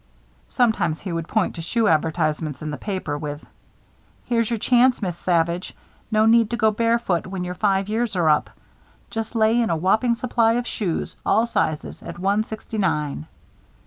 Sometimes he would point to shoe advertisements in the papers, with: "Here's your chance, Miss Savage. No need to go barefoot when your five years are up. Just lay in a whopping supply of shoes, all sizes, at one sixty nine."